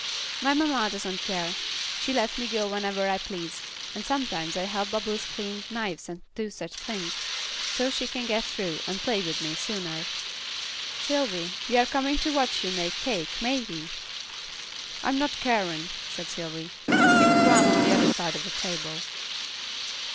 "My mamma doesn't care; she lets me go whenever I please, and sometimes I help Bubbles clean knives and do such things, so she can get through, and play with me sooner." "Sylvy, we are coming to watch you make cake; may we?" "I'm not a carin'!" said Sylvy. "Git 'round on the other side of the table."